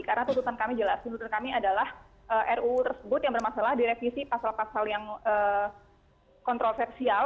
karena tuntutan kami jelas tuntutan kami adalah ruu tersebut yang bermasalah direvisi pasal pasal yang kontroversial